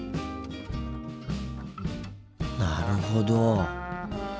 なるほど。